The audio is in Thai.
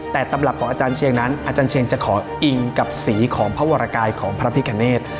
แต่ตำรับของอาจารย์เชียงนั้นอาจารย์เชียงจะขออิงกับสีของพระวรกายของพระพิกาเนต